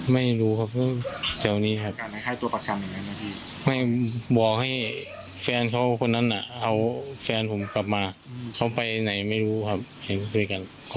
เมื่อกลับมาหาเมื่อคืนนี้ตำรวจมาเรียกรู้ตัวไหม